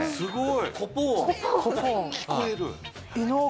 すごーい。